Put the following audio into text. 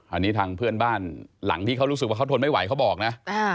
อันนี้ทางเพื่อนบ้านหลังที่เขารู้สึกว่าเขาทนไม่ไหวเขาบอกนะ